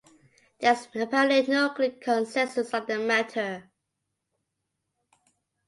There is apparently no clear consensus on the matter.